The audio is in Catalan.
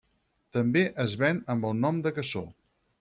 També es ven amb el nom de caçó.